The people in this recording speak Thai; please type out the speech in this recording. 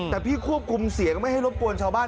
แต่พี่ควบคุมเสียงไม่ให้รบกวนชาวบ้าน